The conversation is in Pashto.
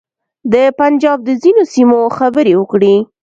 د پنجاب د ځینو سیمو خبرې وکړې.